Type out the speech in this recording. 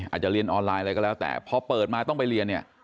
อาจจะเรียนออนไลน์อะไรก็แล้วแต่พอเปิดมาต้องไปเรียนเนี่ย